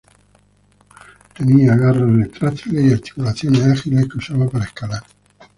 Tenía garras retráctiles y articulaciones ágiles que usaba para escalar.